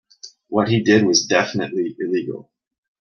What he did was definitively illegal.